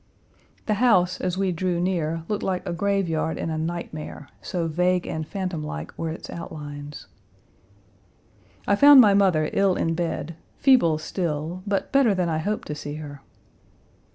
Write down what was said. The house, as we drew near, looked like a graveyard in a nightmare, so vague and phantom like were its outlines. I found my mother ill in bed, feeble still, but better than I hoped to see her.